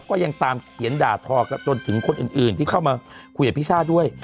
ก็ยังตามเขียนด่าทอกันจนถึงคนอื่นที่เข้ามาคุยกับพี่ช่าด้วย